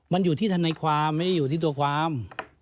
มันอยู่ที่ทนายความไม่ได้อยู่ที่ตัวความ